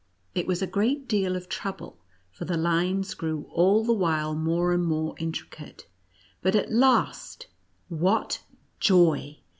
It was a great deal of trouble, for the lines grew all the while more and more intricate ; but at last — what joy!